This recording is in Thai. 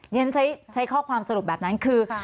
ฉันใช้ข้อความสรุปแบบนั้นคือ